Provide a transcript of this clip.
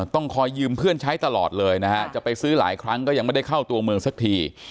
ต้องคอยยืมเพื่อนใช้ตลอดเลยนะฮะจะไปซื้อหลายครั้งก็ยังไม่ได้เข้าตัวเมืองสักที